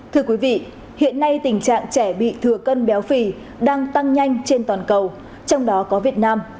thưa quý vị hiện nay tình trạng trẻ bị thừa cân béo phì đang tăng nhanh trên toàn cầu trong đó có việt nam